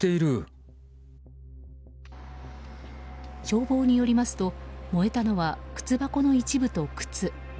消防によりますと燃えたのは靴箱の一部と靴。